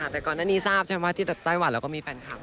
แต่ก่อนหน้านี้ที่ไต้หวันเราก็มีแฟนคลับ